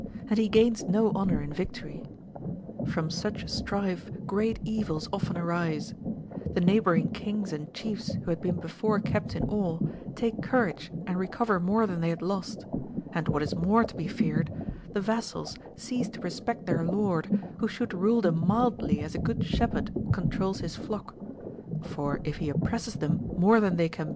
and he gains no honour in victory. From such strife great evils often arise: the neighbouring kings and chiefs who had been before kept in awe, take courage and recover more than they had lost; and what is more to be feared, the vassals cease to respect their lord, who Bhould rule them mildly as a good shepherd controuls his fiock ; for if he oppresses them more than they caa AMADIS OF 04 UL.